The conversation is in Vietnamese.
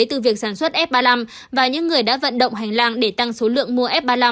từ việc sản xuất f ba mươi năm và những người đã vận động hành lang để tăng số lượng mua f ba mươi năm